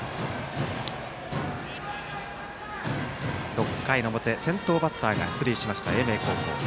６回の表、先頭バッターが出塁しました、英明高校。